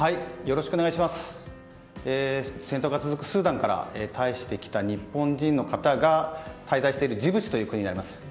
戦闘が続くスーダンから退避してきた日本人の方が滞在しているジブチという国になります。